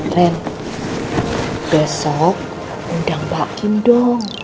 ren besok undang pak gindong